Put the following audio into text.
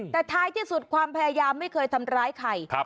แต่ท้ายที่สุดความพยายามไม่เคยทำร้ายใคร